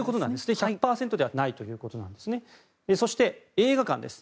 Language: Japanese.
１００％ではないということですね。